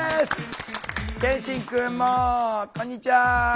健心くんもこんにちは。